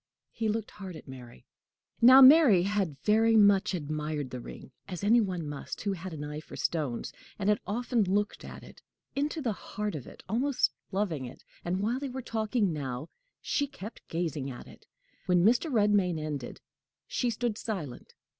He looked hard at Mary. Now, Mary had very much admired the ring, as any one must who had an eye for stones; and had often looked at it into the heart of it almost loving it; and while they were talking now, she kept gazing at it. When Mr. Redmain ended, she stood silent.